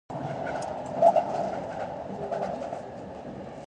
Every two years, the entire House is up for election.